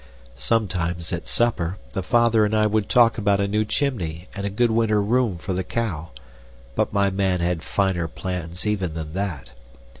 Sometimes, at supper, the father and I would talk about a new chimney and a good winter room for the cow, but my man had finer plans even than that.